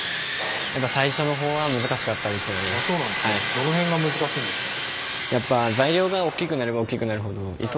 どの辺が難しいんですか？